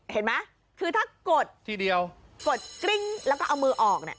เห็นไหมคือถ้ากดกริ่งแล้วก็เอามือออก